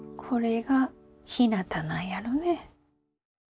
これがひなたなんやろね。